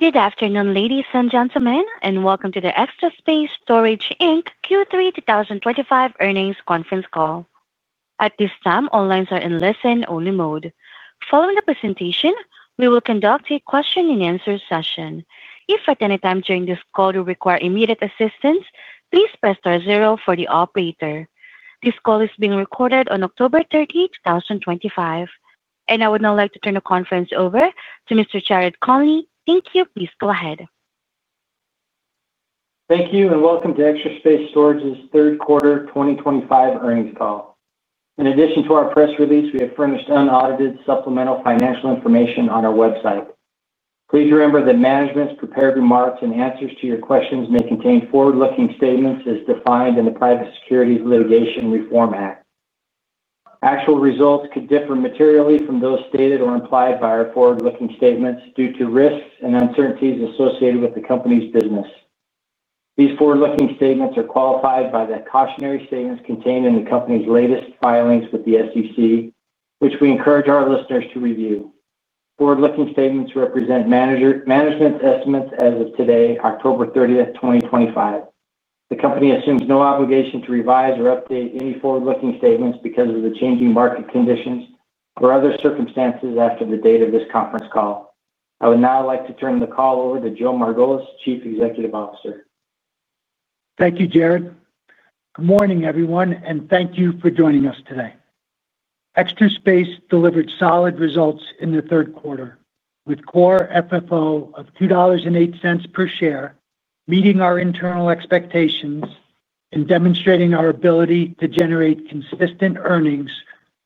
Good afternoon, ladies and gentlemen, and welcome to the Extra Space Storage Inc. Q3 2025 earnings conference call. At this time, all lines are in listen-only mode. Following the presentation, we will conduct a question-and-answer session. If at any time during this call you require immediate assistance, please press star zero for the operator. This call is being recorded on October 30, 2025, and I would now like to turn the conference over to Mr. Jared Conley. Thank you. Please go ahead. Thank you, and welcome to Extra Space Storage's third quarter 2025 earnings call. In addition to our press release, we have furnished unaudited supplemental financial information on our website. Please remember that management's prepared remarks and answers to your questions may contain forward-looking statements as defined in the Private Securities Litigation Reform Act. Actual results could differ materially from those stated or implied by our forward-looking statements due to risks and uncertainties associated with the company's business. These forward-looking statements are qualified by the cautionary statements contained in the company's latest filings with the SEC, which we encourage our listeners to review. Forward-looking statements represent management's estimates as of today, October 30, 2025. The company assumes no obligation to revise or update any forward-looking statements because of the changing market conditions or other circumstances after the date of this conference call.I would now like to turn the call over to Joe Margolis, Chief Executive Officer. Thank you, Jared. Good morning, everyone, and thank you for joining us today. Extra Space Storage delivered solid results in the third quarter with core FFO of $2.08 per share, meeting our internal expectations and demonstrating our ability to generate consistent earnings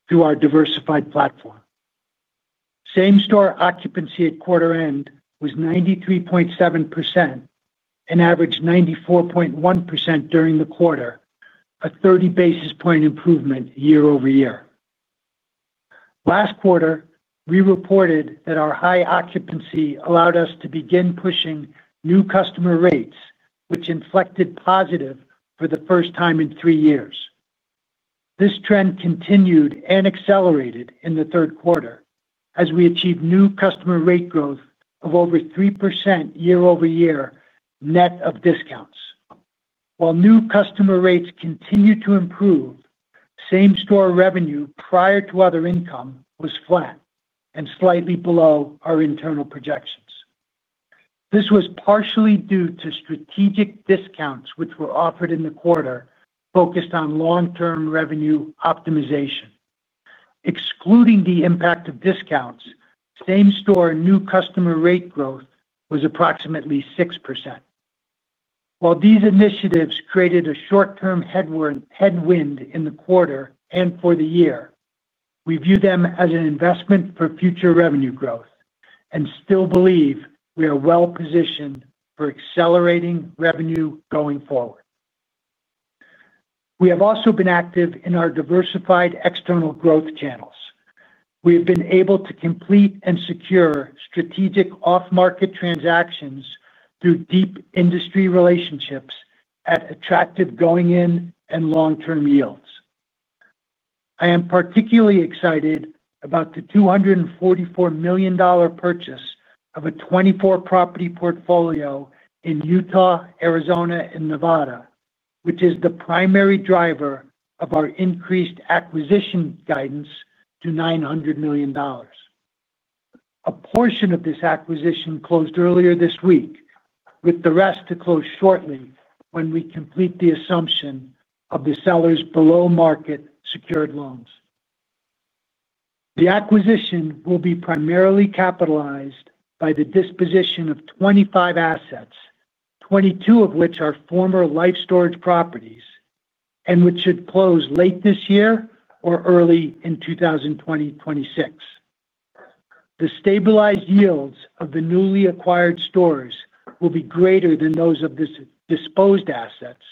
through our diversified platform. Same-store occupancy at quarter-end was 93.7% and averaged 94.1% during the quarter, a 30 basis point improvement year over year. Last quarter, we reported that our high occupancy allowed us to begin pushing new customer rates, which inflected positive for the first time in three years. This trend continued and accelerated in the third quarter as we achieved new customer rate growth of over 3% year over year net of discounts. While new customer rates continued to improve, same-store revenue prior to other income was flat and slightly below our internal projections. This was partially due to strategic discounts which were offered in the quarter focused on long-term revenue optimization. Excluding the impact of discounts, same-store new customer rate growth was approximately 6%. While these initiatives created a short-term headwind in the quarter and for the year, we view them as an investment for future revenue growth and still believe we are well-positioned for accelerating revenue going forward. We have also been active in our diversified external growth channels. We have been able to complete and secure strategic off-market transactions through deep industry relationships at attractive going-in and long-term yields. I am particularly excited about the $244 million purchase of a 24-property portfolio in Utah, Arizona, and Nevada, which is the primary driver of our increased acquisition guidance to $900 million. A portion of this acquisition closed earlier this week, with the rest to close shortly when we complete the assumption of the sellers' below-market secured loans. The acquisition will be primarily capitalized by the disposition of 25 assets, 22 of which are former Life Storage properties and which should close late this year or early in 2026. The stabilized yields of the newly acquired stores will be greater than those of the disposed assets,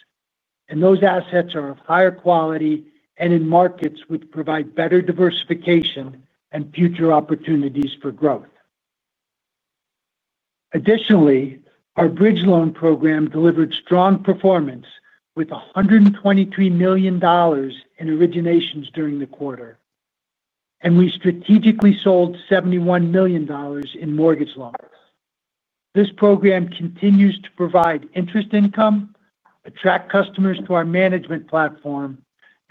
and those assets are of higher quality and in markets which provide better diversification and future opportunities for growth. Additionally, our bridge loan program delivered strong performance with $123 million in originations during the quarter, and we strategically sold $71 million in mortgage loans. This program continues to provide interest income, attract customers to our management platform,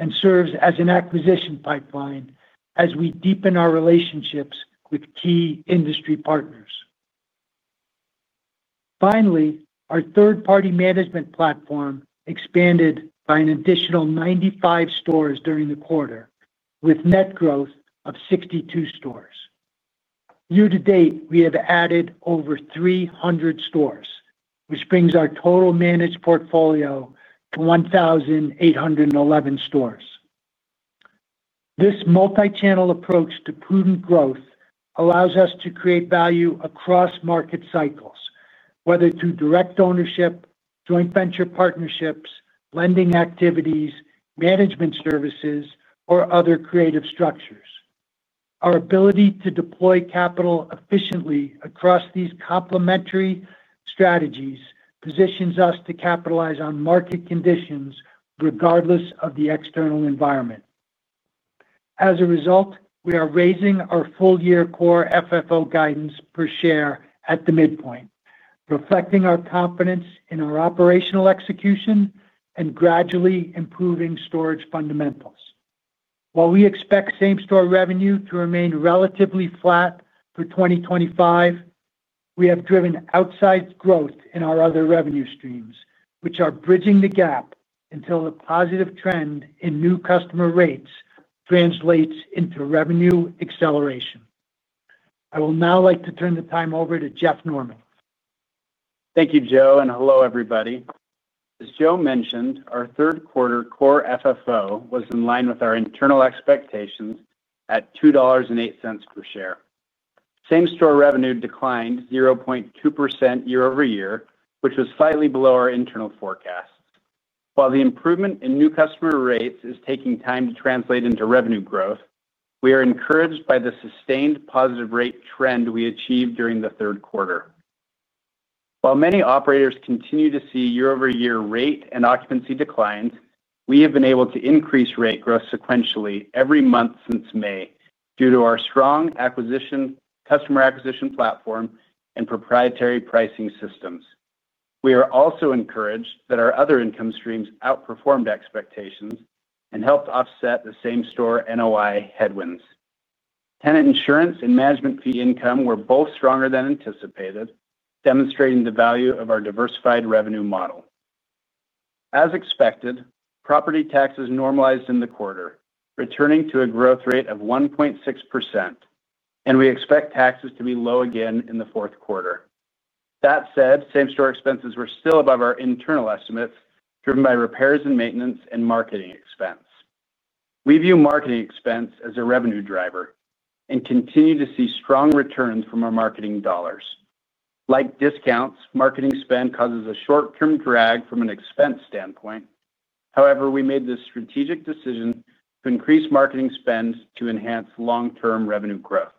and serves as an acquisition pipeline as we deepen our relationships with key industry partners. Finally, our third-party management platform expanded by an additional 95 stores during the quarter, with net growth of 62 stores. Year to date, we have added over 300 stores, which brings our total managed portfolio to 1,811 stores. This multi-channel approach to prudent growth allows us to create value across market cycles, whether through direct ownership, joint venture partnerships, lending activities, management services, or other creative structures. Our ability to deploy capital efficiently across these complementary strategies positions us to capitalize on market conditions regardless of the external environment. As a result, we are raising our full-year core FFO guidance per share at the midpoint, reflecting our confidence in our operational execution and gradually improving storage fundamentals. While we expect same-store revenue to remain relatively flat for 2025, we have driven outside growth in our other revenue streams, which are bridging the gap until a positive trend in new customer rates translates into revenue acceleration. I will now like to turn the time over to Jeff Norman. Thank you, Joe, and hello, everybody. As Joe mentioned, our third-quarter core FFO was in line with our internal expectations at $2.08 per share. Same-store revenue declined 0.2% year over year, which was slightly below our internal forecasts. While the improvement in new customer rates is taking time to translate into revenue growth, we are encouraged by the sustained positive rate trend we achieved during the third quarter. While many operators continue to see year-over-year rate and occupancy declines, we have been able to increase rate growth sequentially every month since May due to our strong customer acquisition platform and proprietary pricing systems. We are also encouraged that our other income streams outperformed expectations and helped offset the same-store NOI headwinds. Tenant insurance and management fee income were both stronger than anticipated, demonstrating the value of our diversified revenue model. As expected, property taxes normalized in the quarter, returning to a growth rate of 1.6%. We expect taxes to be low again in the fourth quarter. That said, same-store expenses were still above our internal estimates driven by repairs and maintenance and marketing expense. We view marketing expense as a revenue driver and continue to see strong returns from our marketing dollars. Like discounts, marketing spend causes a short-term drag from an expense standpoint. However, we made the strategic decision to increase marketing spend to enhance long-term revenue growth.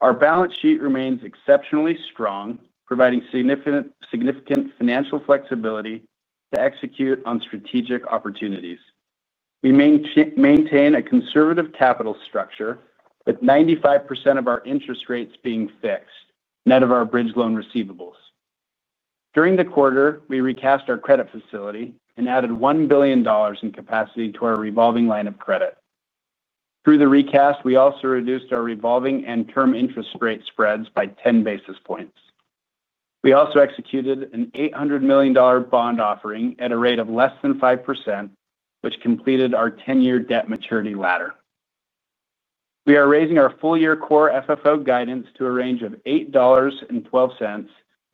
Our balance sheet remains exceptionally strong, providing significant financial flexibility to execute on strategic opportunities. We maintain a conservative capital structure with 95% of our interest rates being fixed, net of our bridge loan receivables. During the quarter, we recast our credit facility and added $1 billion in capacity to our revolving line of credit. Through the recast, we also reduced our revolving and term interest rate spreads by 10 basis points. We also executed an $800 million bond offering at a rate of less than 5%, which completed our 10-year debt maturity ladder. We are raising our full-year core FFO guidance to a range of $8.12 and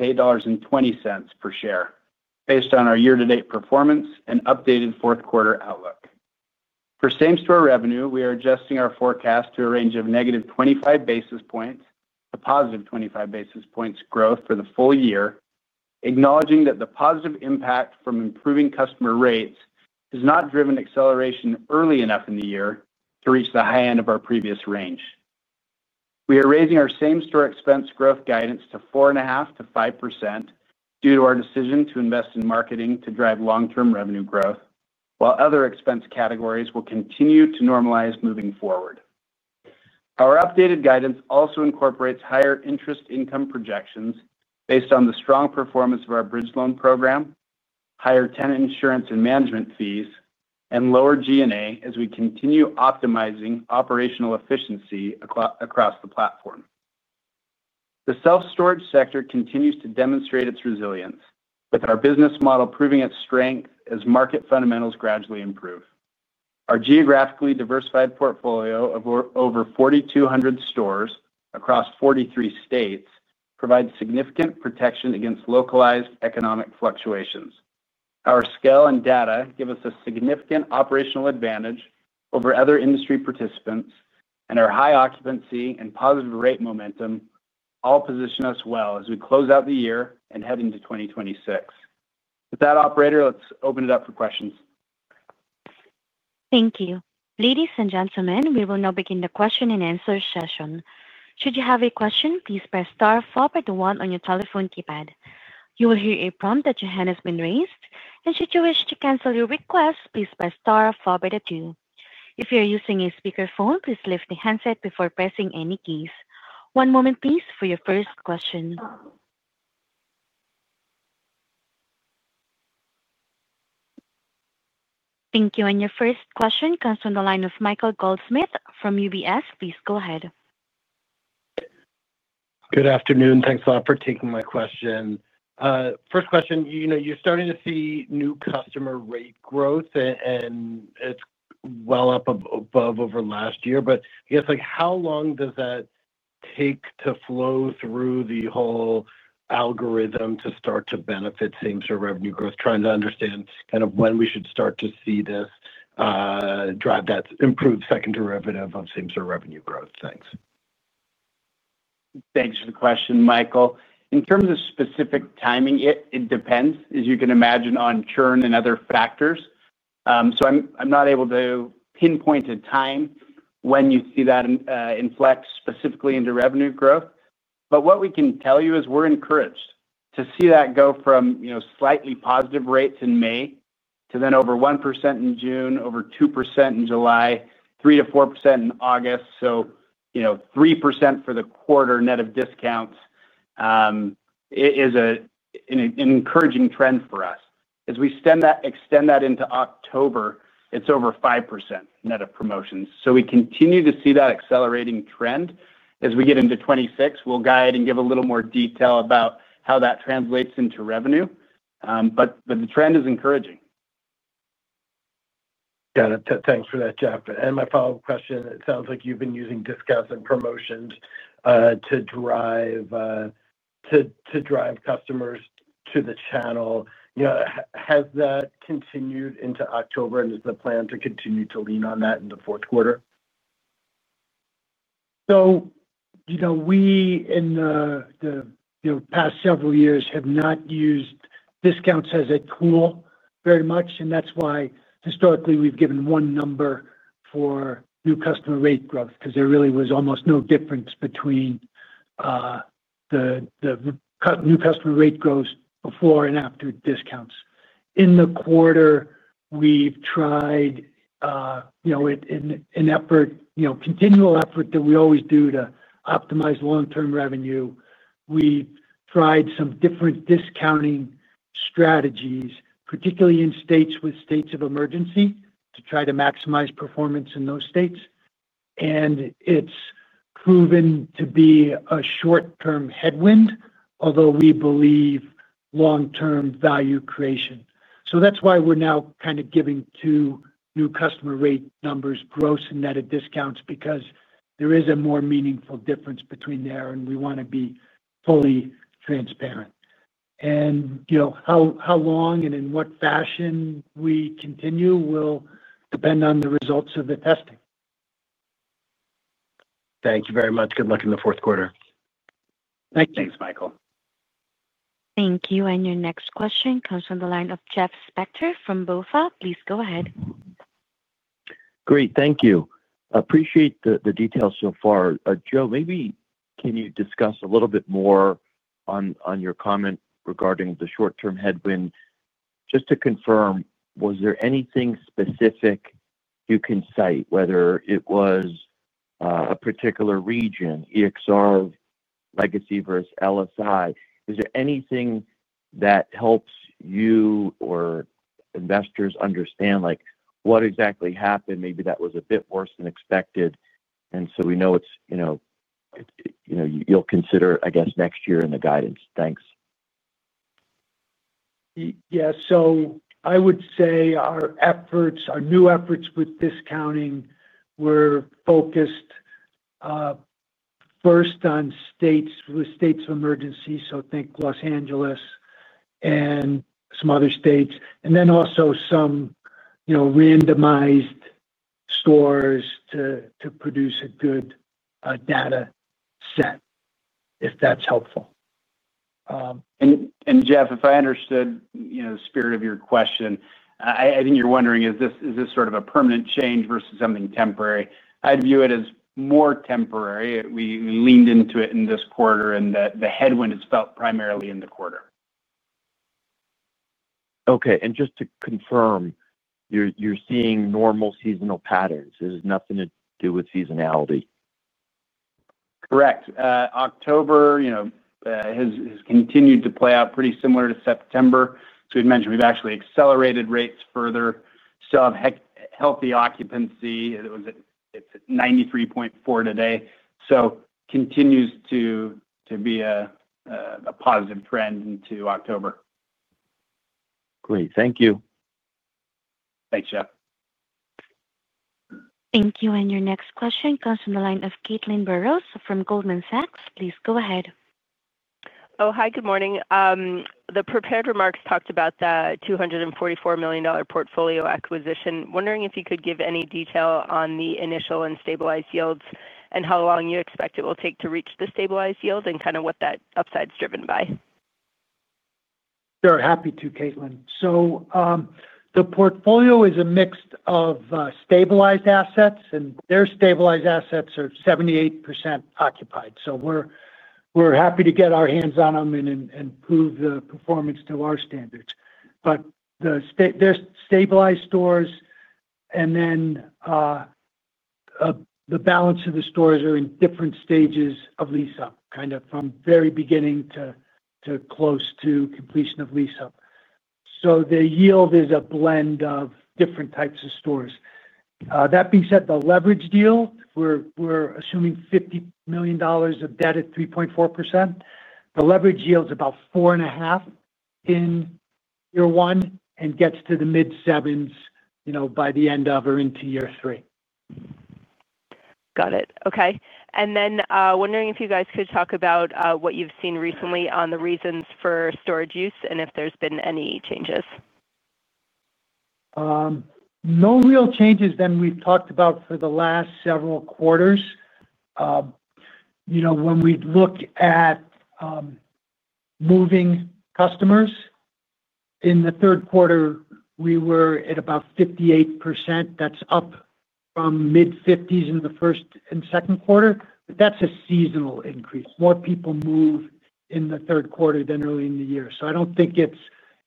$8.20 per share based on our year-to-date performance and updated fourth-quarter outlook. For same-store revenue, we are adjusting our forecast to a range of negative 25 basis points to positive 25 basis points growth for the full year, acknowledging that the positive impact from improving customer rates has not driven acceleration early enough in the year to reach the high end of our previous range. We are raising our same-store expense growth guidance to 4.5% to 5% due to our decision to invest in marketing to drive long-term revenue growth, while other expense categories will continue to normalize moving forward. Our updated guidance also incorporates higher interest income projections based on the strong performance of our bridge loan program, higher tenant insurance and management fees, and lower G&A as we continue optimizing operational efficiency across the platform. The self storage sector continues to demonstrate its resilience, with our business model proving its strength as market fundamentals gradually improve. Our geographically diversified portfolio of over 4,200 stores across 43 states provides significant protection against localized economic fluctuations. Our scale and data give us a significant operational advantage over other industry participants, and our high occupancy and positive rate momentum all position us well as we close out the year and head into 2026.With that, operator, let's open it up for questions. Thank you. Ladies and gentlemen, we will now begin the question-and-answer session. Should you have a question, please press star one on your telephone keypad. You will hear a prompt that your hand has been raised. Should you wish to cancel your request, please press star two. If you're using a speakerphone, please lift the handset before pressing any keys. One moment, please, for your first question. Thank you. Your first question comes from the line of Michael Goldsmith from UBS. Please go ahead. Good afternoon. Thanks a lot for taking my question. First question, you're starting to see new customer rate growth, and it's well up above over last year. I guess, how long does that take to flow through the whole algorithm to start to benefit same-store revenue growth? Trying to understand kind of when we should start to see this. Drive that improved second derivative of same-store revenue growth. Thanks. Thanks for the question, Michael. In terms of specific timing, it depends, as you can imagine, on churn and other factors. I'm not able to pinpoint a time when you see that inflect specifically into revenue growth. What we can tell you is we're encouraged to see that go from slightly positive rates in May to over 1% in June, over 2% in July, and 3 to 4% in August. 3% for the quarter net of discounts is an encouraging trend for us. As we extend that into October, it's over 5% net of promotions. We continue to see that accelerating trend. As we get into 2026, we'll guide and give a little more detail about how that translates into revenue. The trend is encouraging. Got it. Thanks for that, Jeff. My follow-up question, it sounds like you've been using discounts and promotions to drive customers to the channel. Has that continued into October, and is the plan to continue to lean on that in the fourth quarter? In the past several years, we have not used discounts as a tool very much, and that's why historically we've given one number for new customer rate growth because there really was almost no difference between the new customer rate growth before and after discounts. In the quarter, we've tried, in a continual effort that we always do to optimize long-term revenue, some different discounting strategies, particularly in states with states of emergency, to try to maximize performance in those states. It's proven to be a short-term headwind, although we believe long-term value creation. That's why we're now kind of giving two new customer rate numbers, gross and net of discounts, because there is a more meaningful difference between there, and we want to be fully transparent. How long and in what fashion we continue will depend on the results of the testing. Thank you very much. Good luck in the fourth quarter. Thanks, Michael. Thank you. Your next question comes from the line of Jeff Spector from BofA Securities. Please go ahead. Great. Thank you. Appreciate the details so far. Joe, maybe can you discuss a little bit more on your comment regarding the short-term headwind? Just to confirm, was there anything specific you can cite, whether it was a particular region, Extra Space Storage, legacy versus Life Storage? Is there anything that helps you or investors understand what exactly happened, maybe that was a bit worse than expected? We know it's something you'll consider, I guess, next year in the guidance. Thanks. Yeah. I would say our efforts, our new efforts with discounting were focused first on states with states of emergency, so think Los Angeles and some other states, and then also some randomized stores to produce a good data set, if that's helpful. If I understood the spirit of your question, Jeff, I think you're wondering, is this sort of a permanent change versus something temporary? I'd view it as more temporary. We leaned into it in this quarter, and the headwind is felt primarily in the quarter. Okay. Just to confirm, you're seeing normal seasonal patterns. It has nothing to do with seasonality. Correct. October has continued to play out pretty similar to September. We've mentioned we've actually accelerated rates further and still have healthy occupancy. It's at 93.4% today, so it continues to be a positive trend into October. Great. Thank you. Thanks, Jeff. Thank you. Your next question comes from the line of Caitlin Burrows from Goldman Sachs. Please go ahead. Good morning. The prepared remarks talked about the $244 million portfolio acquisition. Wondering if you could give any detail on the initial and stabilized yields and how long you expect it will take to reach the stabilized yield and kind of what that upside is driven by. Sure. Happy to, Caitlin. The portfolio is a mix of stabilized assets, and their stabilized assets are 78% occupied. We're happy to get our hands on them and prove the performance to our standards. There are stabilized stores, and then the balance of the stores are in different stages of lease-up, kind of from very beginning to close to completion of lease-up. The yield is a blend of different types of stores. That being said, the leverage yield, we're assuming $50 million of debt at 3.4%. The leverage yield is about 4.5% in year one and gets to the mid-7% by the end of or into year three. Got it. Okay. Could you talk about what you've seen recently on the reasons for storage use and if there's been any changes? No real changes than we've talked about for the last several quarters. When we look at moving customers, in the third quarter, we were at about 58%. That's up from mid-50% in the first and second quarter, but that's a seasonal increase. More people move in the third quarter than early in the year. I don't think it's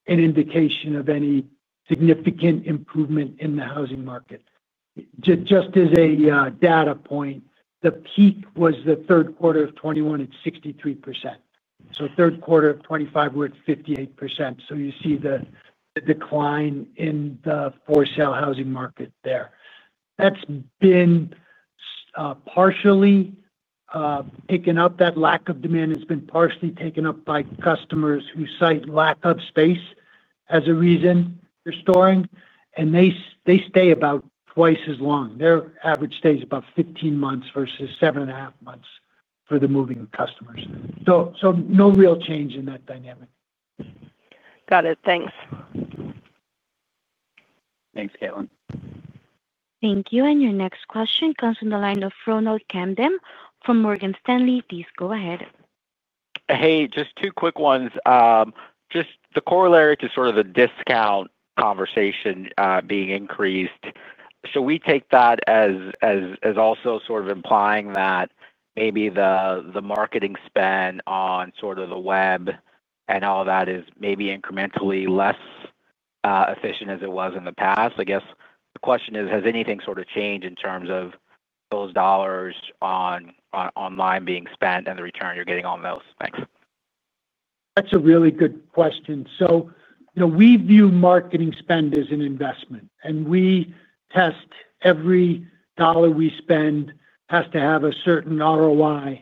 an indication of any significant improvement in the housing market. Just as a data point, the peak was the third quarter of 2021 at 63%. In the third quarter of 2023, we're at 58%. You see the decline in the for-sale housing market there. That lack of demand has been partially taken up by customers who cite lack of space as a reason for storing, and they stay about twice as long. Their average stay is about 15 months versus 7.5 months for the moving customers. No real change in that dynamic. Got it. Thanks. Thanks, Caitlin. Thank you. Your next question comes from the line of Ronald Kamdem from Morgan Stanley. Please go ahead. Hey, just two quick ones. Just the corollary to sort of the discount conversation being increased. We take that as also sort of implying that maybe the marketing spend on sort of the web and all that is maybe incrementally less efficient as it was in the past. I guess the question is, has anything sort of changed in terms of those dollars on online being spent and the return you're getting on those? Thanks. That's a really good question. We view marketing spend as an investment. We test every dollar we spend has to have a certain ROI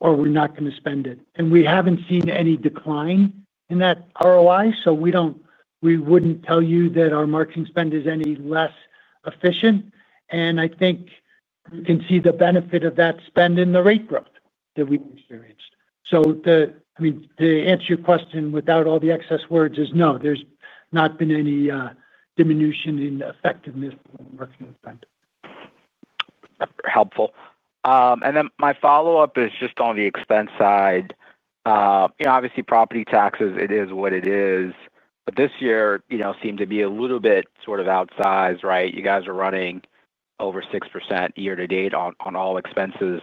or we're not going to spend it. We haven't seen any decline in that ROI, so we wouldn't tell you that our marketing spend is any less efficient. I think you can see the benefit of that spend in the rate growth that we've experienced. To answer your question without all the excess words, no, there's not been any diminution in effectiveness in marketing spend. Helpful. My follow-up is just on the expense side. Obviously, property taxes, it is what it is. This year seemed to be a little bit sort of outsized, right? You guys are running over 6% year to date on all expenses.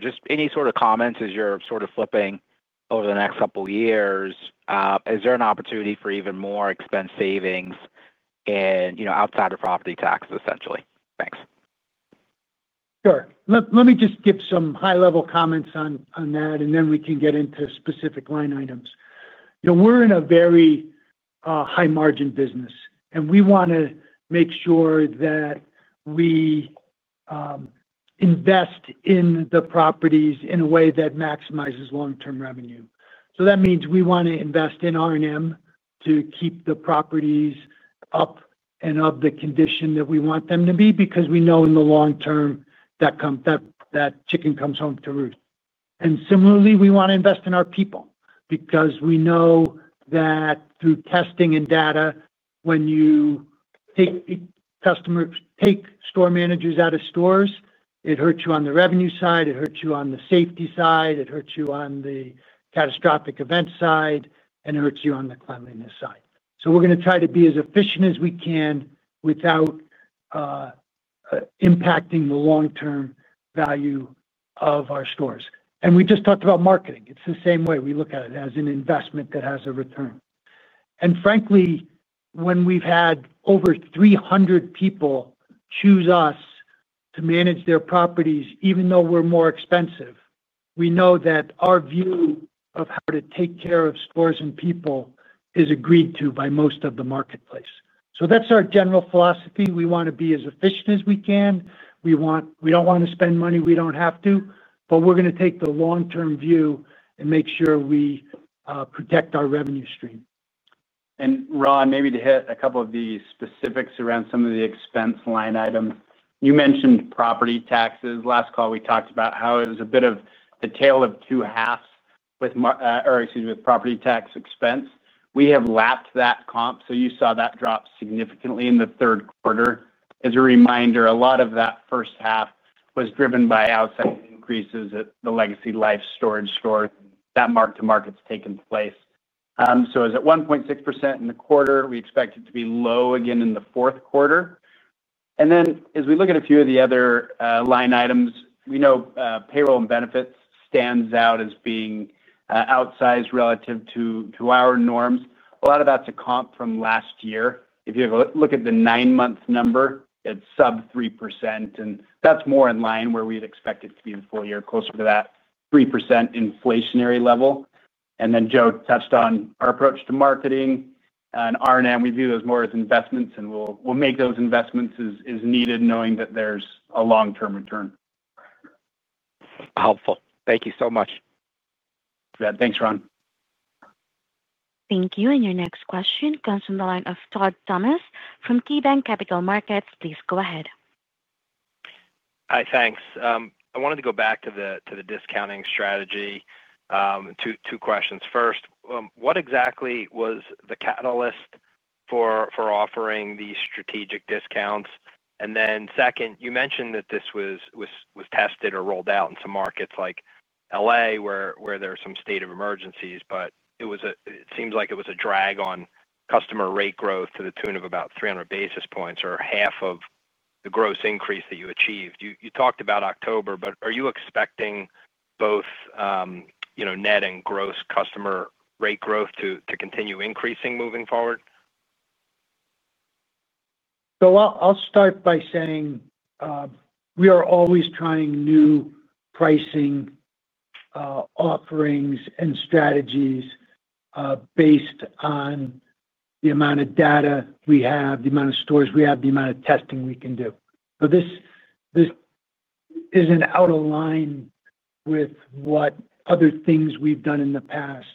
Just any sort of comments as you're sort of flipping over the next couple of years, is there an opportunity for even more expense savings outside of property taxes, essentially? Thanks. Sure. Let me just give some high-level comments on that, and then we can get into specific line items. We're in a very high-margin business, and we want to make sure that we invest in the properties in a way that maximizes long-term revenue. That means we want to invest in R&M to keep the properties up and of the condition that we want them to be because we know in the long term that chicken comes home to roost. Similarly, we want to invest in our people because we know that through testing and data, when you take store managers out of stores, it hurts you on the revenue side, it hurts you on the safety side, it hurts you on the catastrophic event side, and it hurts you on the cleanliness side. We're going to try to be as efficient as we can without impacting the long-term value of our stores. We just talked about marketing. It's the same way; we look at it as an investment that has a return. Frankly, when we've had over 300 people choose us to manage their properties, even though we're more expensive, we know that our view of how to take care of stores and people is agreed to by most of the marketplace. That's our general philosophy. We want to be as efficient as we can. We don't want to spend money we don't have to, but we're going to take the long-term view and make sure we protect our revenue stream. Ron, maybe to hit a couple of the specifics around some of the expense line items, you mentioned property taxes. Last call, we talked about how it was a bit of the tail of two halves with property tax expense. We have lapped that comp, so you saw that drop significantly in the third quarter. As a reminder, a lot of that first half was driven by outside increases at the legacy Life Storage store that mark to market's taken place. It was at 1.6% in the quarter. We expect it to be low again in the fourth quarter. As we look at a few of the other line items, we know payroll and benefits stands out as being outsized relative to our norms. A lot of that's a comp from last year. If you look at the nine-month number, it's sub 3%, and that's more in line where we'd expect it to be in the full year, closer to that 3% inflationary level. Joe touched on our approach to marketing and R&M. We view those more as investments, and we'll make those investments as needed, knowing that there's a long-term return. Helpful. Thank you so much. Thanks, Ron. Thank you. Your next question comes from the line of Todd Thomas from KeyBanc Capital Markets. Please go ahead. Hi, thanks. I wanted to go back to the discounting strategy. Two questions. First, what exactly was the catalyst for offering these strategic discounts? Then second, you mentioned that this was tested or rolled out in some markets like Los Angeles where there are some state of emergency restrictions, but it seems like it was a drag on customer rate growth to the tune of about 300 basis points or half of the gross increase that you achieved. You talked about October, but are you expecting both net and gross customer rate growth to continue increasing moving forward? We are always trying new pricing offerings and strategies based on the amount of data we have, the amount of stores we have, the amount of testing we can do. This isn't out of line with what other things we've done in the past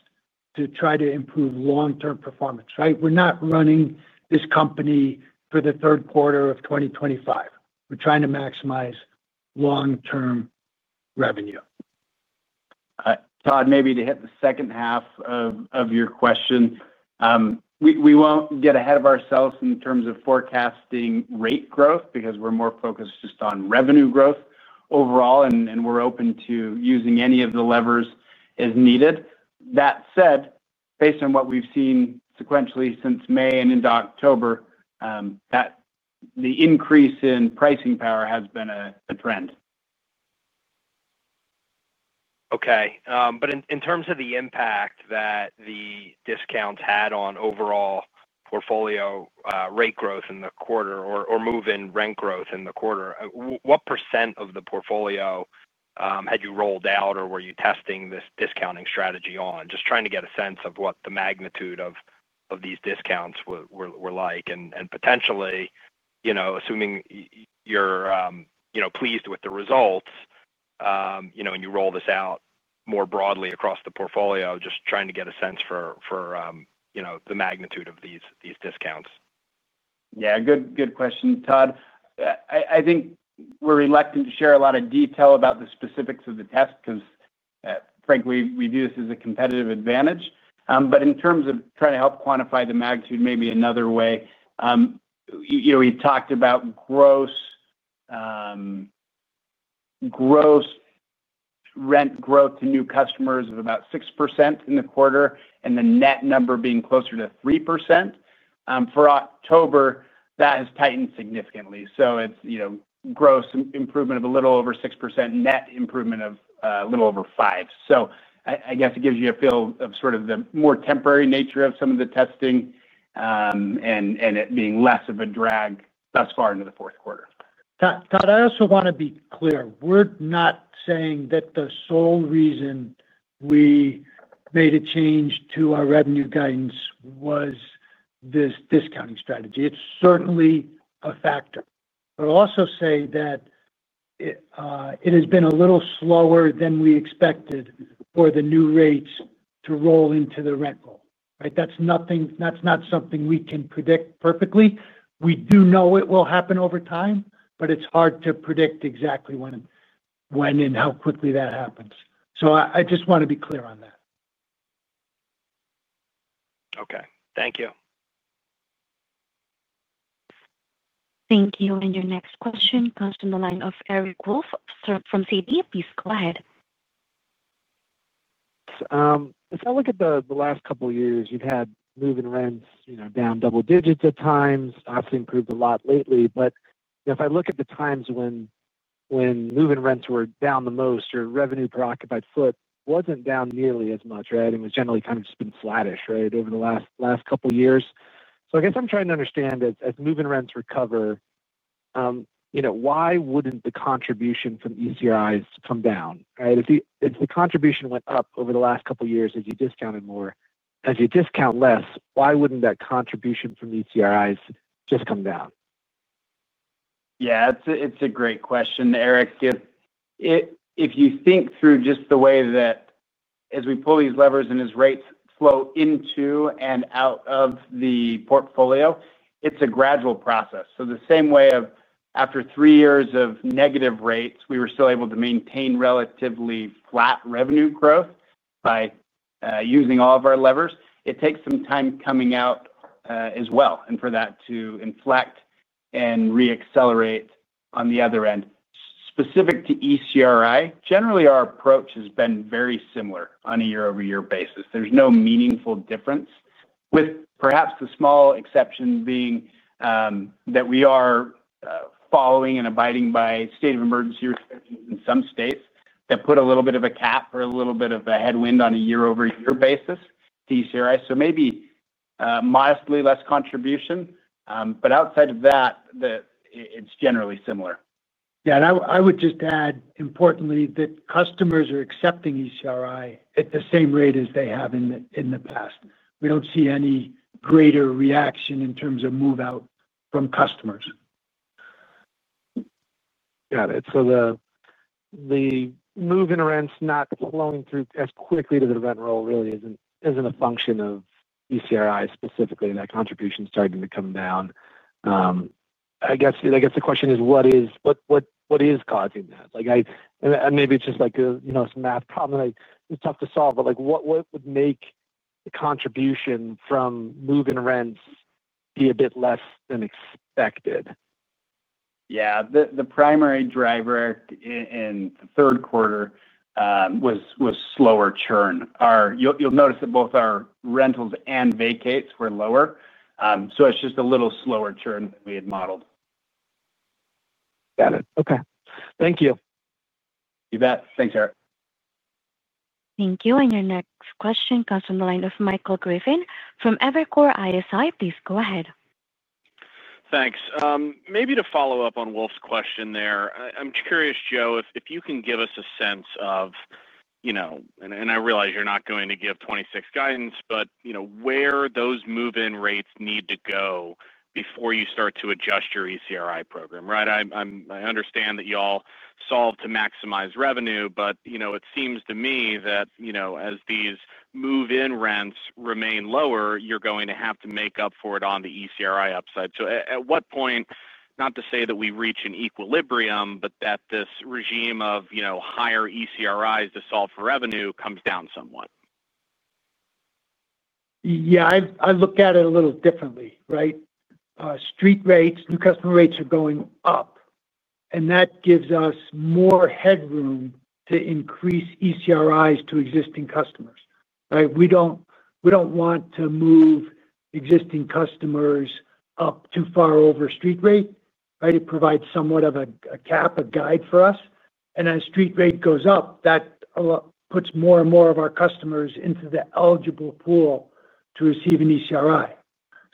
to try to improve long-term performance, right? We're not running this company for the third quarter of 2025. We're trying to maximize long-term revenue. Todd, maybe to hit the second half of your question. We won't get ahead of ourselves in terms of forecasting rate growth because we're more focused just on revenue growth overall, and we're open to using any of the levers as needed. That said, based on what we've seen sequentially since May and into October, the increase in pricing power has been a trend. Okay. In terms of the impact that the discounts had on overall portfolio rate growth in the quarter or move-in rent growth in the quarter, what % of the portfolio had you rolled out or were you testing this discounting strategy on? Just trying to get a sense of what the magnitude of these discounts were like and potentially, assuming you're pleased with the results and you roll this out more broadly across the portfolio, just trying to get a sense for the magnitude of these discounts. Yeah. Good question, Todd. I think we're reluctant to share a lot of detail about the specifics of the test because, frankly, we view this as a competitive advantage. In terms of trying to help quantify the magnitude maybe another way, we talked about gross rent growth to new customers of about 6% in the quarter and the net number being closer to 3%. For October, that has tightened significantly. It's gross improvement of a little over 6%, net improvement of a little over 5%. I guess it gives you a feel of sort of the more temporary nature of some of the testing and it being less of a drag thus far into the fourth quarter. Todd, I also want to be clear. We're not saying that the sole reason we made a change to our revenue guidance was this discounting strategy. It's certainly a factor. I'll also say that it has been a little slower than we expected for the new rates to roll into the rent goal, right? That's not something we can predict perfectly. We do know it will happen over time, but it's hard to predict exactly when and how quickly that happens. I just want to be clear on that. Okay, thank you. Thank you. Your next question comes from the line of Eric Wolfe from Citi. Please go ahead. If I look at the last couple of years, you've had move-in rents down double digits at times. Obviously, improved a lot lately. If I look at the times when move-in rents were down the most or revenue per occupied foot wasn't down nearly as much, right? It was generally kind of just been flattish, right, over the last couple of years. I guess I'm trying to understand as move-in rents recover, why wouldn't the contribution from ECRIs come down, right? If the contribution went up over the last couple of years as you discounted more, as you discount less, why wouldn't that contribution from ECRIs just come down? Yeah. It's a great question, Eric. If you think through just the way that as we pull these levers and as rates flow into and out of the portfolio, it's a gradual process. The same way after three years of negative rates, we were still able to maintain relatively flat revenue growth by using all of our levers, it takes some time coming out as well and for that to inflect and re-accelerate on the other end. Specific to ECRI, generally, our approach has been very similar on a year-over-year basis. There's no meaningful difference, with perhaps the small exception being that we are following and abiding by state of emergency restrictions in some states that put a little bit of a cap or a little bit of a headwind on a year-over-year basis to ECRI. Maybe modestly less contribution, but outside of that, it's generally similar. I would just add, importantly, that customers are accepting ECRI at the same rate as they have in the past. We don't see any greater reaction in terms of move-out from customers. Got it. The move-in rents not flowing through as quickly to the rent roll really isn't a function of ECRI specifically. That contribution's starting to come down. I guess the question is, what is causing that? Maybe it's just like some math problem that's tough to solve, but what would make the contribution from move-in rents be a bit less than expected? Yeah. The primary driver in the third quarter was slower churn. You'll notice that both our rentals and vacates were lower. It's just a little slower churn that we had modeled. Got it. Okay. Thank you. You bet. Thanks, Eric. Thank you. Your next question comes from the line of Michael Griffin from Evercore ISI. Please go ahead. Thanks. Maybe to follow up on Wolfe's question there, I'm curious, Joe, if you can give us a sense of, and I realize you're not going to give 2026 guidance, but where those move-in rates need to go before you start to adjust your ECRI program, right? I understand that y'all solve to maximize revenue, but it seems to me that as these move-in rents remain lower, you're going to have to make up for it on the ECRI upside. At what point, not to say that we reach an equilibrium, but that this regime of higher ECRIs to solve for revenue comes down somewhat? Yeah. I look at it a little differently, right? Street rates, new customer rates are going up. That gives us more headroom to increase ECRIs to existing customers, right? We don't want to move existing customers up too far over street rate, right? It provides somewhat of a cap, a guide for us. As street rate goes up, that puts more and more of our customers into the eligible pool to receive an ECRI.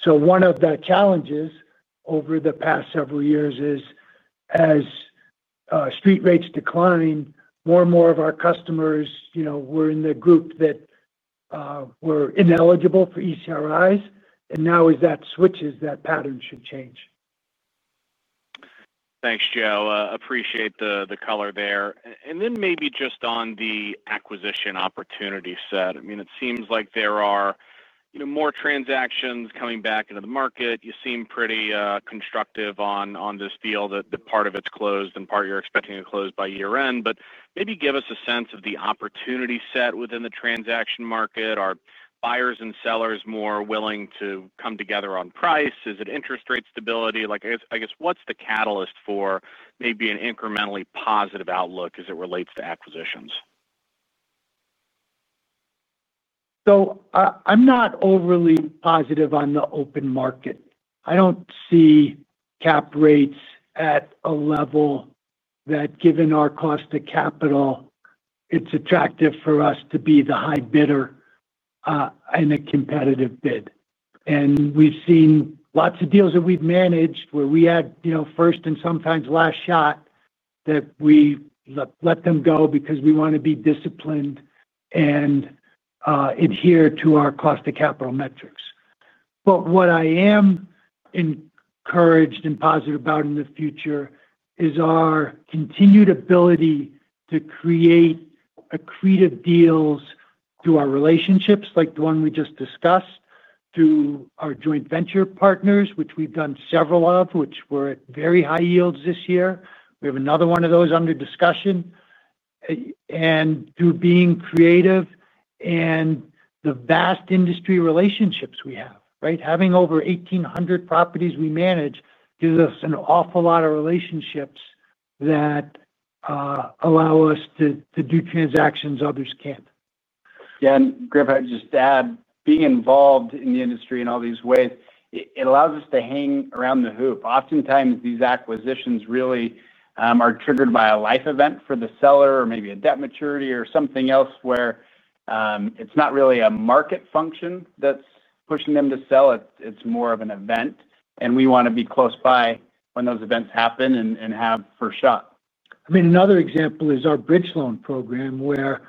One of the challenges over the past several years is as street rates decline, more and more of our customers were in the group that were ineligible for ECRIs. Now as that switches, that pattern should change. Thanks, Joe. Appreciate the color there. Maybe just on the acquisition opportunity set, it seems like there are more transactions coming back into the market. You seem pretty constructive on this deal that part of it's closed and part you're expecting to close by year-end. Maybe give us a sense of the opportunity set within the transaction market. Are buyers and sellers more willing to come together on price? Is it interest rate stability? I guess what's the catalyst for maybe an incrementally positive outlook as it relates to acquisitions? I'm not overly positive on the open market. I don't see cap rates at a level that, given our cost of capital, it's attractive for us to be the high bidder in the competitive bid. We've seen lots of deals that we've managed where we had first and sometimes last shot that we let go because we want to be disciplined and adhere to our cost of capital metrics. What I am encouraged and positive about in the future is our continued ability to create accretive deals through our relationships, like the one we just discussed, through our joint venture partners, which we've done several of, which were at very high yields this year. We have another one of those under discussion. Through being creative and the vast industry relationships we have, having over 1,800 properties we manage gives us an awful lot of relationships that allow us to do transactions others can't. Yeah. Griff, I'd just add, being involved in the industry in all these ways allows us to hang around the hoop. Oftentimes, these acquisitions really are triggered by a life event for the seller or maybe a debt maturity or something else where it's not really a market function that's pushing them to sell. It's more of an event. We want to be close by when those events happen and have first shot. I mean, another example is our bridge loan program where,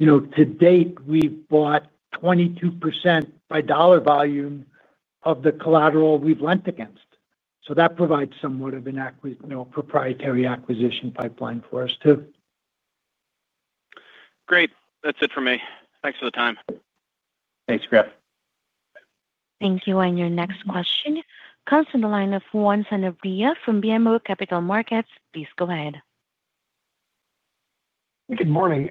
to date, we've bought 22% by dollar volume of the collateral we've lent against. That provides somewhat of a proprietary acquisition pipeline for us too. Great. That's it for me. Thanks for the time. Thanks, Griff. Thank you. Your next question comes from the line of Juan Sanabria from BMO Capital Markets. Please go ahead. Good morning.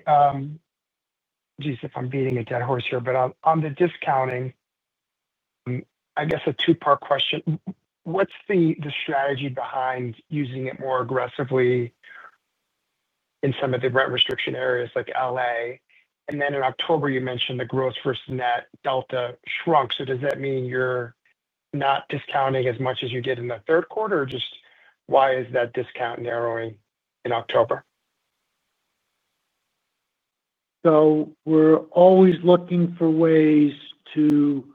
If I'm beating a dead horse here, but on the discounting. I guess a two-part question. What's the strategy behind using it more aggressively in some of the rent restriction areas like Los Angeles? In October, you mentioned the gross versus net delta shrunk. Does that mean you're not discounting as much as you did in the third quarter? Why is that discount narrowing in October? We are always looking for ways to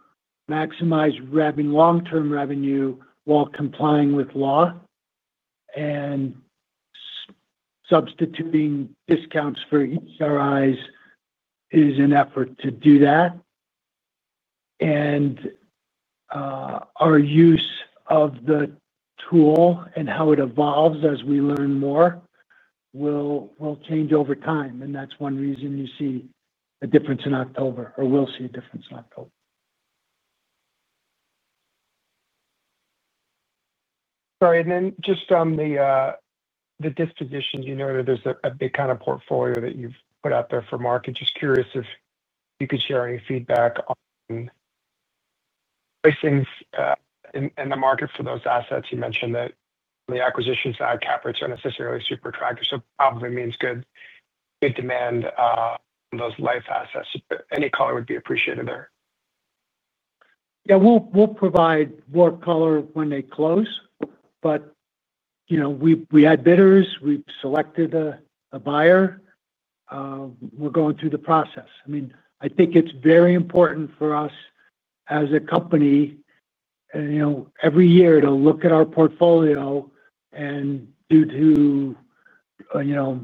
maximize long-term revenue while complying with law. Substituting discounts for ECRIs is an effort to do that. Our use of the tool and how it evolves as we learn more will change over time. That is one reason you see a difference in October or will see a difference in October. Sorry. On the disposition, you know that there's a big kind of portfolio that you've put out there for market. Just curious if you could share any feedback on pricing in the market for those assets. You mentioned that on the acquisition side, cap rates aren't necessarily super attractive, so it probably means good demand on those Life Storage assets. Any color would be appreciated there. Yeah. We'll provide more color when they close. We had bidders, we've selected a buyer, we're going through the process. I think it's very important for us as a company every year to look at our portfolio and, due to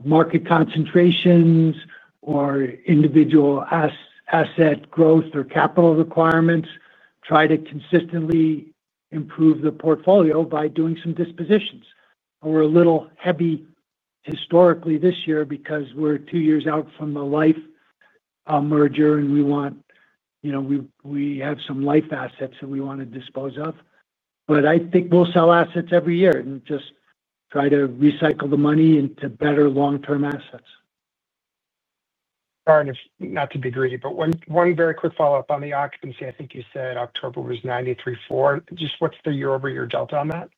market concentrations or individual asset growth or capital requirements, try to consistently improve the portfolio by doing some dispositions. We're a little heavy historically this year because we're two years out from the Life Storage merger, and we have some Life Storage assets that we want to dispose of. I think we'll sell assets every year and just try to recycle the money into better long-term assets. Sorry, not to be greedy, but one very quick follow-up on the occupancy. I think you said October was 93.4%. Just what's the year-over-year delta on that?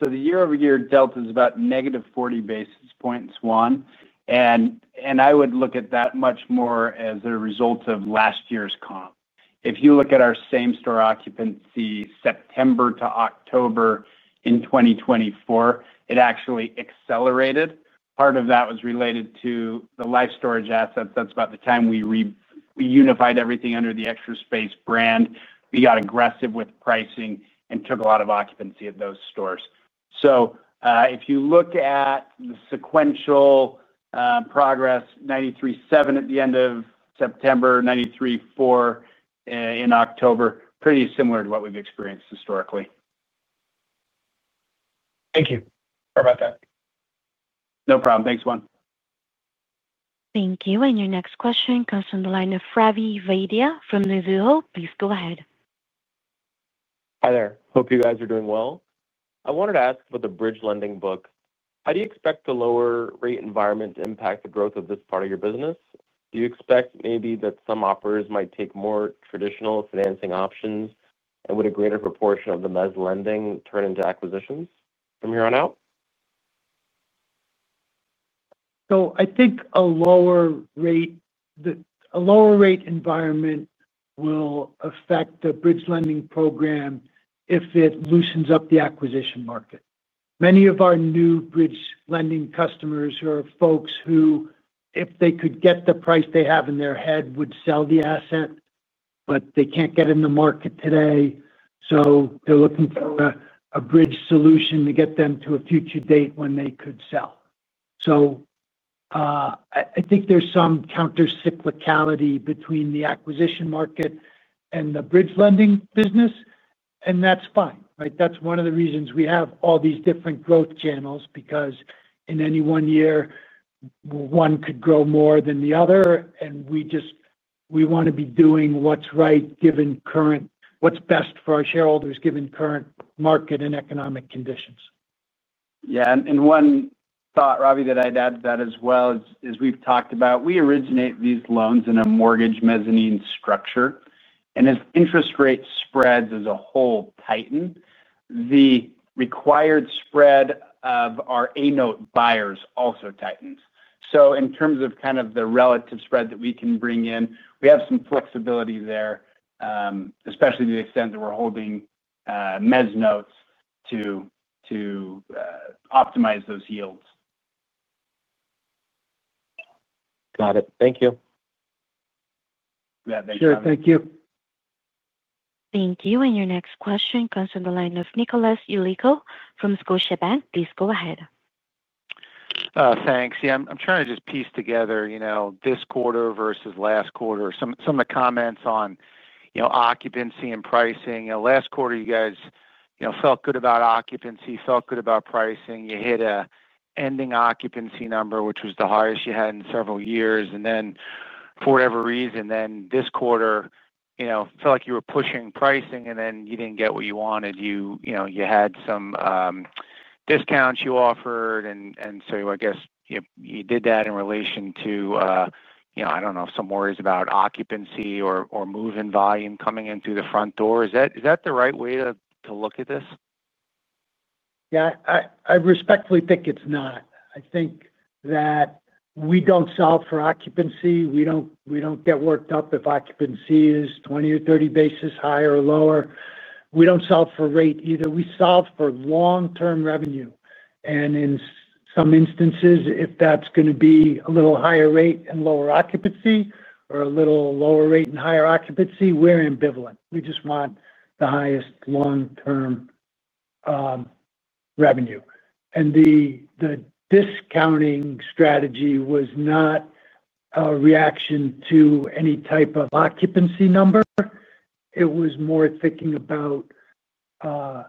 The year-over-year delta is about negative 40 basis points, Juan. I would look at that much more as a result of last year's comp. If you look at our same-store occupancy September to October, in 2024, it actually accelerated. Part of that was related to the Life Storage assets. That's about the time we unified everything under the Extra Space brand. We got aggressive with pricing and took a lot of occupancy at those stores. If you look at the sequential progress, 93.7% at the end of September, 93.4% in October, pretty similar to what we've experienced historically. Thank you. Sorry about that. No problem. Thanks, Juan. Thank you. Your next question comes from the line of Ravi Vaidya from Mizuho. Please go ahead. Hi there. Hope you guys are doing well. I wanted to ask about the bridge lending book. How do you expect the lower-rate environment to impact the growth of this part of your business? Do you expect maybe that some offers might take more traditional financing options, and would a greater proportion of the mezzanine lending turn into acquisitions from here on out? I think a lower-rate environment will affect the bridge loan program if it loosens up the acquisition market. Many of our new bridge loan customers are folks who, if they could get the price they have in their head, would sell the asset, but they can't get it in the market today. They're looking for a bridge solution to get them to a future date when they could sell. I think there's some countercyclicality between the acquisition market and the bridge loan business. That's fine, right? That's one of the reasons we have all these different growth channels because in any one year, one could grow more than the other. We want to be doing what's best for our shareholders given current market and economic conditions. Yeah. One thought, Ravi, that I'd add to that as well is we've talked about we originate these loans in a mortgage mezzanine structure. As interest rate spreads as a whole tighten, the required spread of our A-note buyers also tightens. In terms of kind of the relative spread that we can bring in, we have some flexibility there, especially to the extent that we're holding mezz notes to optimize those yields. Got it. Thank you. Yeah, thanks, Ravi. Sure. Thank you. Thank you. Your next question comes from the line of Nick Yulico from Scotiabank. Please go ahead. Thanks. I'm trying to just piece together this quarter versus last quarter, some of the comments on occupancy and pricing. Last quarter, you guys felt good about occupancy, felt good about pricing. You hit an ending occupancy number, which was the highest you had in several years. For whatever reason, this quarter, it felt like you were pushing pricing, and then you didn't get what you wanted. You had some discounts you offered. I guess you did that in relation to, I don't know, some worries about occupancy or move-in volume coming in through the front door. Is that the right way to look at this? Yeah. I respectfully think it's not. I think that we don't solve for occupancy. We don't get worked up if occupancy is 20 or 30 bps higher or lower. We don't solve for rate either. We solve for long-term revenue. In some instances, if that's going to be a little higher rate and lower occupancy or a little lower rate and higher occupancy, we're ambivalent. We just want the highest long-term revenue. The discounting strategy was not a reaction to any type of occupancy number. It was more thinking about how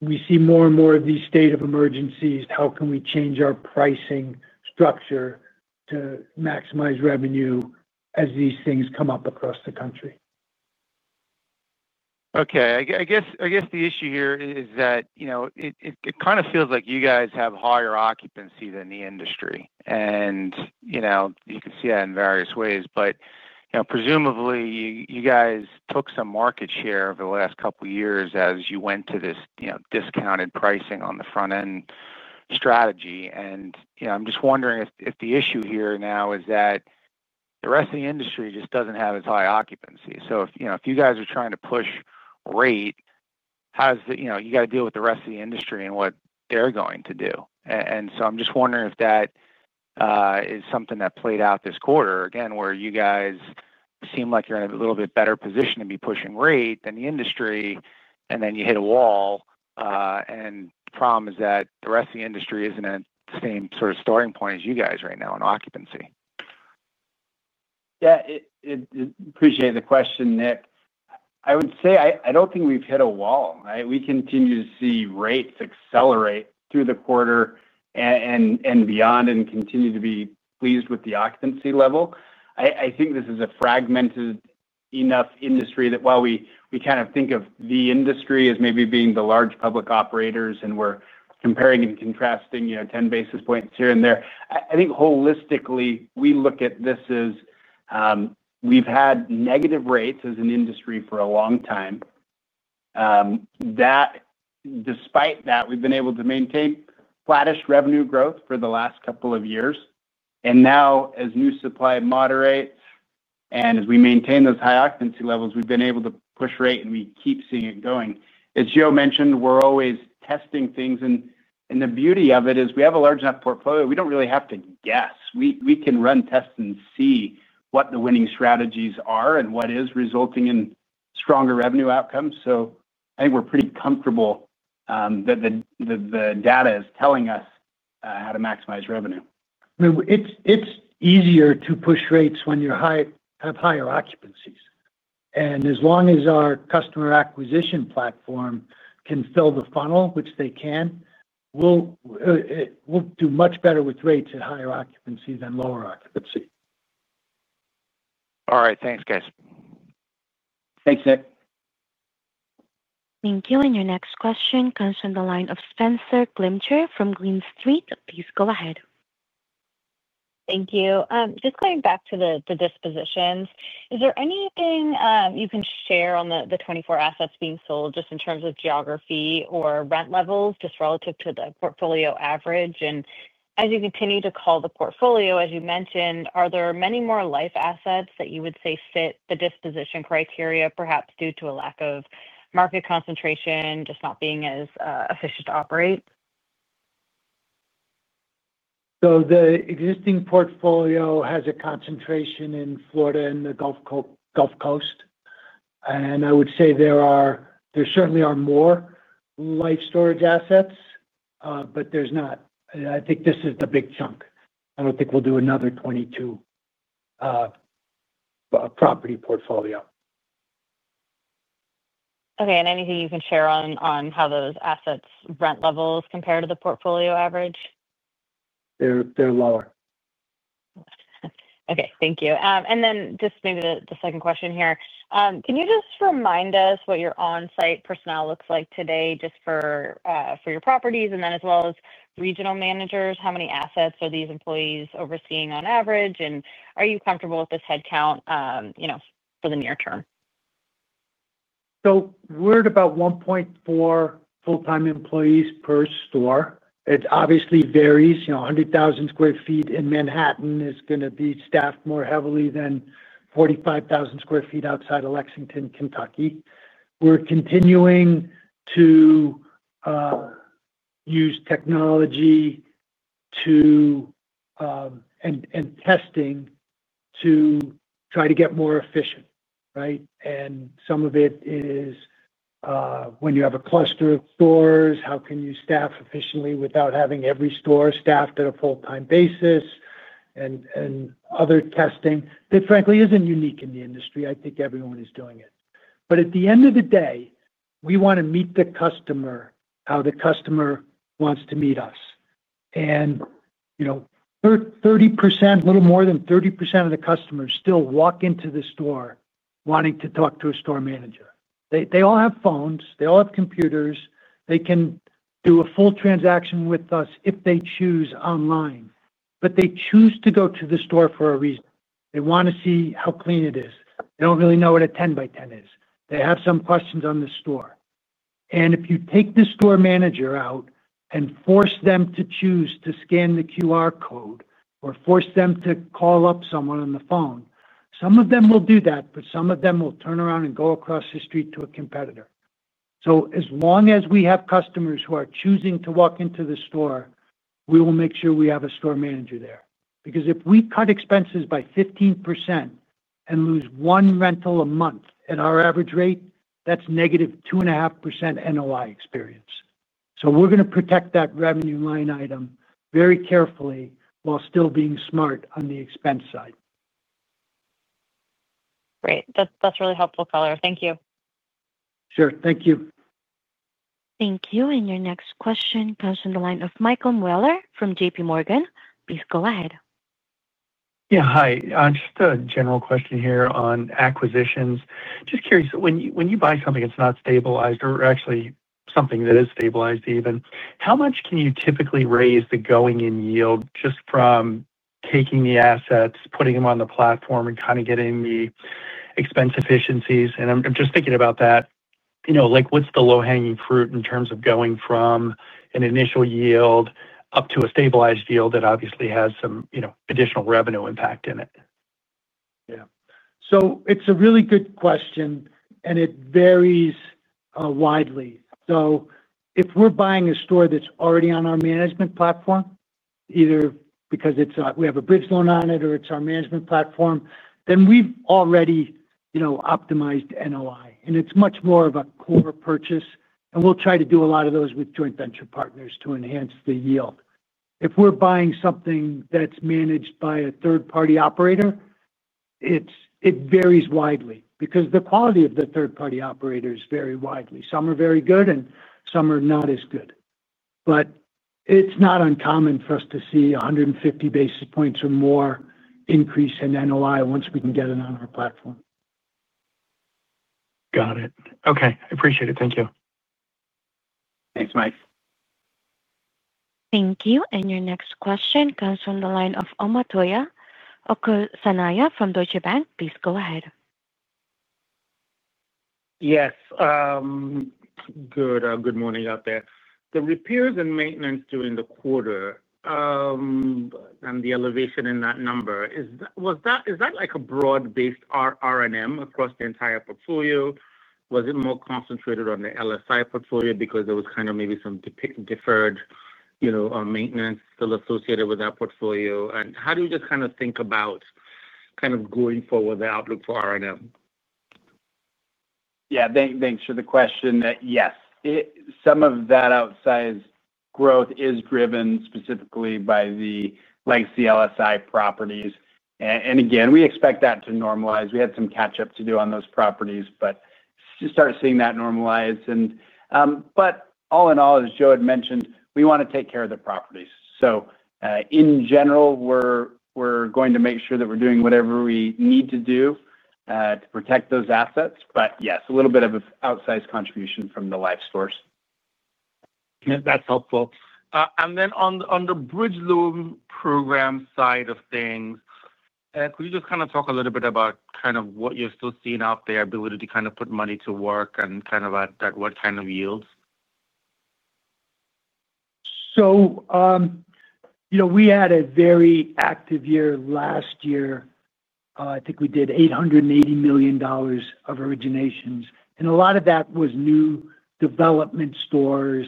we see more and more of these state of emergency restrictions. How can we change our pricing structure to maximize revenue as these things come up across the country? Okay. I guess the issue here is that it kind of feels like you guys have higher occupancy than the industry. You can see that in various ways. Presumably, you guys took some market share over the last couple of years as you went to this discounted pricing on the front-end strategy. I'm just wondering if the issue here now is that the rest of the industry just doesn't have as high occupancy. If you guys are trying to push rate, how do you deal with the rest of the industry and what they're going to do? I'm just wondering if that is something that played out this quarter again, where you guys seem like you're in a little bit better position to be pushing rate than the industry, and then you hit a wall. The problem is that the rest of the industry isn't at the same sort of starting point as you guys right now in occupancy. Yeah. Appreciate the question, Nick. I would say I don't think we've hit a wall, right? We continue to see rates accelerate through the quarter and beyond and continue to be pleased with the occupancy level. I think this is a fragmented enough industry that while we kind of think of the industry as maybe being the large public operators and we're comparing and contrasting 10 basis points here and there, I think holistically, we look at this as we've had negative rates as an industry for a long time. Despite that, we've been able to maintain flattish revenue growth for the last couple of years. Now, as new supply moderates and as we maintain those high occupancy levels, we've been able to push rate, and we keep seeing it going. As Joe mentioned, we're always testing things. The beauty of it is we have a large enough portfolio. We don't really have to guess. We can run tests and see what the winning strategies are and what is resulting in stronger revenue outcomes. I think we're pretty comfortable that the data is telling us how to maximize revenue. is easier to push rates when you have higher occupancies. As long as our customer acquisition platform can fill the funnel, which they can, we will do much better with rates at higher occupancy than lower occupancy. All right. Thanks, guys. Thanks, Nick. Thank you. Your next question comes from the line of Spencer Glimcher from Green Street. Please go ahead. Thank you. Just going back to the dispositions, is there anything you can share on the 24 assets being sold just in terms of geography or rent levels just relative to the portfolio average? As you continue to call the portfolio, as you mentioned, are there many more Life Storage assets that you would say fit the disposition criteria, perhaps due to a lack of market concentration, just not being as efficient to operate? The existing portfolio has a concentration in Florida and the Gulf Coast. I would say there certainly are more Life Storage assets, but there's not. I think this is the big chunk. I don't think we'll do another 22-property portfolio. Okay. Anything you can share on how those assets' rent levels compare to the portfolio average? They're lower. Okay. Thank you. Maybe the second question here. Can you just remind us what your on-site personnel looks like today for your properties and then as well as regional managers? How many assets are these employees overseeing on average? Are you comfortable with this headcount for the near term? We're at about 1.4 full-time employees per store. It obviously varies. 100,000 square feet in Manhattan is going to be staffed more heavily than 45,000 square feet outside of Lexington, Kentucky. We're continuing to use technology and testing to try to get more efficient, right? Some of it is when you have a cluster of stores, how can you staff efficiently without having every store staffed at a full-time basis? Other testing, that frankly isn't unique in the industry. I think everyone is doing it. At the end of the day, we want to meet the customer how the customer wants to meet us. A little more than 30% of the customers still walk into the store wanting to talk to a store manager. They all have phones. They all have computers. They can do a full transaction with us if they choose online. They choose to go to the store for a reason. They want to see how clean it is. They don't really know what a 10 by 10 is. They have some questions on the store. If you take the store manager out and force them to choose to scan the QR code or force them to call up someone on the phone, some of them will do that, but some of them will turn around and go across the street to a competitor. As long as we have customers who are choosing to walk into the store, we will make sure we have a store manager there. If we cut expenses by 15% and lose one rental a month at our average rate, that's negative 2.5% NOI experience. We're going to protect that revenue line item very carefully while still being smart on the expense side. Great. That's really helpful, color. Thank you. Sure. Thank you. Thank you. Your next question comes from the line of Mike Mueller from JP Morgan. Please go ahead. Yeah. Hi. Just a general question here on acquisitions. Just curious, when you buy something that's not stabilized or actually something that is stabilized even, how much can you typically raise the going-in yield just from taking the assets, putting them on the platform, and kind of getting the expense efficiencies? I'm just thinking about that. What's the low-hanging fruit in terms of going from an initial yield up to a stabilized yield that obviously has some additional revenue impact in it? Yeah. It's a really good question, and it varies widely. If we're buying a store that's already on our management platform, either because we have a bridge loan on it or it's our management platform, then we've already optimized NOI, and it's much more of a core purchase. We'll try to do a lot of those with joint venture partners to enhance the yield. If we're buying something that's managed by a third-party operator, it varies widely because the quality of the third-party operators vary widely. Some are very good, and some are not as good. It's not uncommon for us to see 150 basis points or more increase in NOI once we can get it on our platform. Got it. Okay. I appreciate it. Thank you. Thanks, Mike. Thank you. Your next question comes from the line of Omotayo Okusanya from Deutsche Bank. Please go ahead. Yes. Good morning out there. The repairs and maintenance during the quarter, and the elevation in that number, is that like a broad-based R&M across the entire portfolio? Was it more concentrated on the Life Storage portfolio because there was kind of maybe some deferred maintenance still associated with that portfolio? How do you just kind of think about going forward with the outlook for R&M? Yeah. Thanks for the question. Yes, some of that outsized growth is driven specifically by the legacy Life Storage properties. Again, we expect that to normalize. We had some catch-up to do on those properties, but you start seeing that normalize. All in all, as Joe had mentioned, we want to take care of the properties. In general, we're going to make sure that we're doing whatever we need to do to protect those assets. Yes, a little bit of an outsized contribution from the Life Storage stores. That's helpful. On the bridge loan program side of things, could you just talk a little bit about what you're still seeing out there, ability to put money to work, and at what yields? We had a very active year last year. I think we did $880 million of originations. A lot of that was new development stores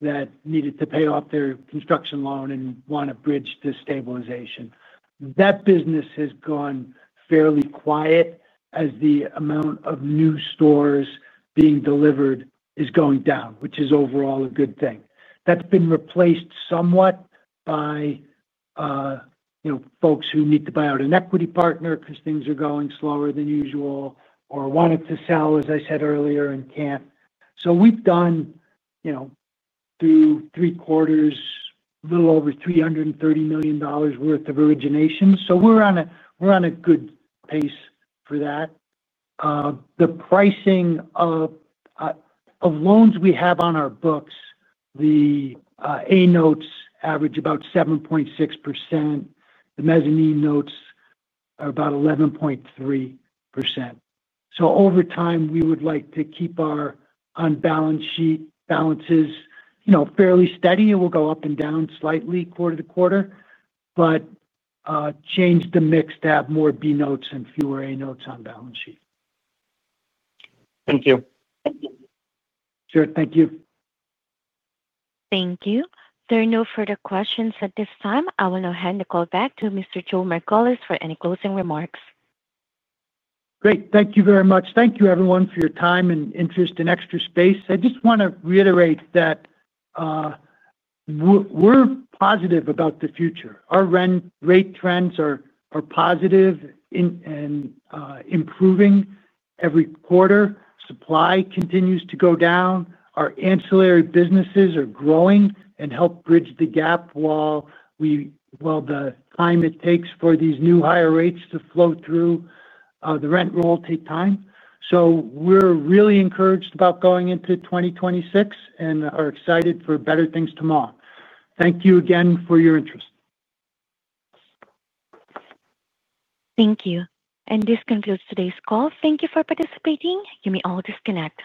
that needed to pay off their construction loan and want a bridge to stabilization. That business has gone fairly quiet as the amount of new stores being delivered is going down, which is overall a good thing. That's been replaced somewhat by folks who need to buy out an equity partner because things are going slower than usual or wanted to sell, as I said earlier, and can't. We've done, through three quarters, a little over $330 million worth of originations, so we're on a good pace for that. The pricing of loans we have on our books, the A notes average about 7.6%. The mezzanine notes are about 11.3%. Over time, we would like to keep our on-balance sheet balances fairly steady. It will go up and down slightly quarter to quarter, but change the mix to have more B notes and fewer A notes on balance sheet. Thank you. Sure. Thank you. Thank you. There are no further questions at this time. I will now hand the call back to Mr. Joe Margolis for any closing remarks. Great. Thank you very much. Thank you, everyone, for your time and interest in Extra Space Storage. I just want to reiterate that we're positive about the future. Our rent rate trends are positive and improving every quarter. Supply continues to go down. Our ancillary businesses are growing and help bridge the gap while the time it takes for these new higher rates to flow through. The rent will take time. We're really encouraged about going into 2026 and are excited for better things tomorrow. Thank you again for your interest. Thank you. This concludes today's call. Thank you for participating. You may all disconnect.